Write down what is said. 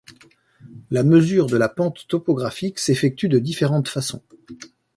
La mesure de la pente topographique s'effectue de différentes façons.